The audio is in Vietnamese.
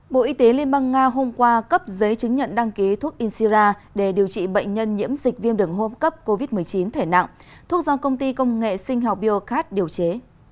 bộ y tế liên bang nga hôm qua cấp giấy chứng nhận đăng ký thuốc incira để điều trị bệnh nhân nhiễm dịch viêm đường hô hấp cấp covid một mươi chín thể nặng thuốc do công ty công nghệ sinh học biocat điều chế